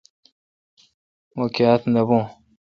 مہ کاتھ نہ بھوں